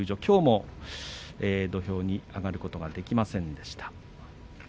きょうも土俵に上がることができませんでした。